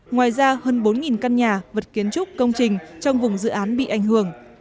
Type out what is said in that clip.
ngoài ra hơn bốn căn nhà vật kiến trúc công trình trong vùng dự án bị ảnh hưởng